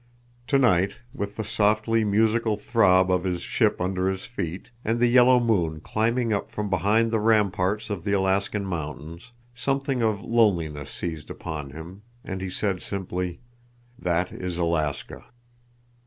Tonight, with the softly musical throb of his ship under his feet, and the yellow moon climbing up from behind the ramparts of the Alaskan mountains, something of loneliness seized upon him, and he said simply: "That is Alaska."